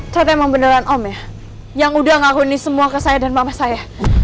terus emang beneran om ya yang udah ngahuni semua ke saya dan mama saya